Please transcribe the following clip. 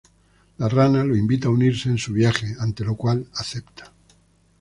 La rana lo invita a unirse en su viaje, ante lo cual acepta.